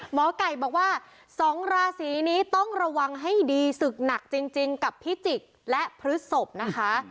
หมอไก่บอกว่า๒ราศีนี้ต้องระวังให้ดีศึกหนักจริงกับพิจิกษ์และพฤศพนะคะ